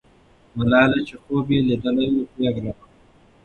ملالۍ چې خوب یې لیدلی وو، پیغله وه.